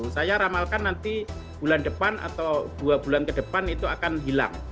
saya ramalkan nanti bulan depan atau dua bulan ke depan itu akan hilang